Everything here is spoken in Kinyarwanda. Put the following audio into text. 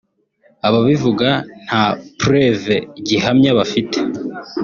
Ababivuga nta preuve(gihamya) bafite